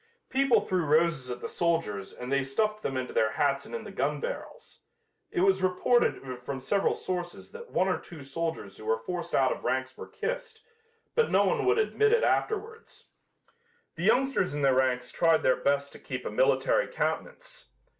People threw roses at the soldiers and they stuffed them into their hats and in the gun barrels. It was reported from several sources that one or two soldiers who were forced out of ranks were kissed, but no one would admit it afterwards. The youngsters in the ranks tried their best to keep a military countenance.